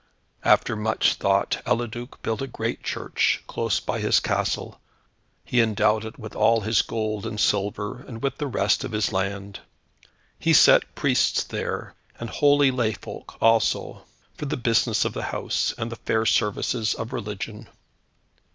After much thought, Eliduc built a great church close beside his castle. He endowed it with all his gold and silver, and with the rest of his land. He set priests there, and holy layfolk also, for the business of the house, and the fair services of religion.